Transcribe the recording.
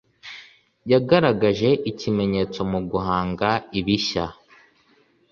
yagaragaje ikimenyetso mu guhanga ibishya.